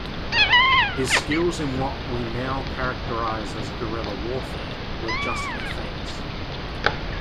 His skills in what we now characterize as guerrilla warfare were justly famous.